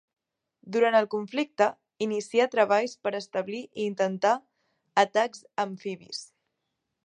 Durant el conflicte, inicià treballs per establir i intentar atacs amfibis.